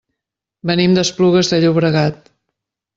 Venim d'Esplugues de Llobregat.